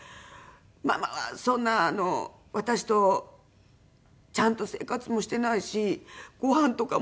「ママはそんな私とちゃんと生活もしてないしご飯とかも」。